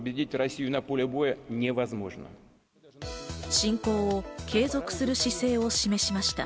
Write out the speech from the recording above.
侵攻を継続する姿勢を示しました。